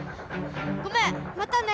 ごめんまたね！